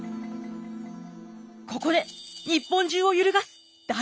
ここで日本中を揺るがす大事件が！